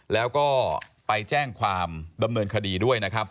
แล้วก็ไปแจ้งความบำเนินคดีด้วย